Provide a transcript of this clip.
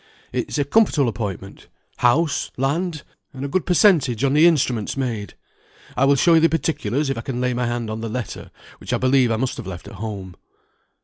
It is a comfortable appointment, house, land, and a good per centage on the instruments made. I will show you the particulars if I can lay my hand on the letter, which I believe I must have left at home."